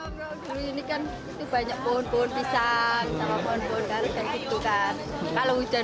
dulu ini kan banyak pohon pohon